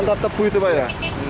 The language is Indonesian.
tetap tebu itu pak ya